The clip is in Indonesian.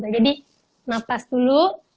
jadi napas dulu